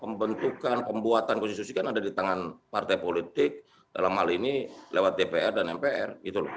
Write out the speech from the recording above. pembentukan pembuatan konstitusi kan ada di tangan partai politik dalam hal ini lewat dpr dan mpr gitu loh